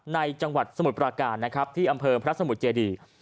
จังหวัดสมุทรปราการนะครับที่อำเภอพระสมุทรเจดี